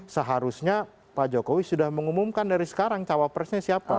seharusnya pak jokowi sudah mengumumkan dari sekarang cawapresnya siapa